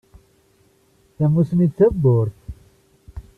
Tamussni d tawwurt.